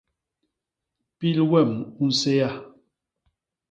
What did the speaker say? Pil wem u nsééa.